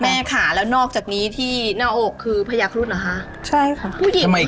แม่ขาแล้วนอกจากนี้ที่หน้าโอกคือพยายามครุฑเหรอฮะ